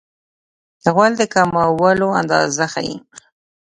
غول د کولمو اندازه ښيي.